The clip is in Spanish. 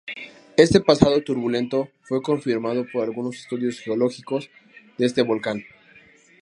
Este pasado turbulento fue confirmado por algunos estudios geológicos de este volcán.